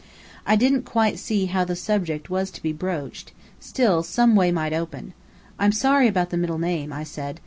I didn't quite see how the subject was to be broached: still, some way might open. "I'm sorry about the middle name," I said.